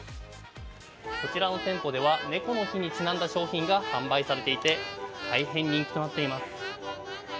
こちらの店舗では猫の日にちなんだ商品が販売されていて大変人気となっています。